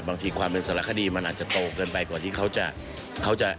บางทีความเป็นสารคดีมันอาจจะโตเกินไปกว่าที่เขาจะเขาจะ